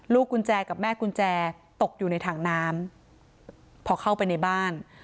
กุญแจกับแม่กุญแจตกอยู่ในถังน้ำพอเข้าไปในบ้าน